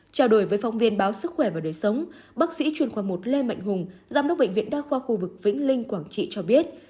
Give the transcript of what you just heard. trao đổi với phóng viên báo sức khỏe và đời sống bác sĩ chuyên khoa một lê mạnh hùng giám đốc bệnh viện đa khoa khu vực vĩnh linh quảng trị cho biết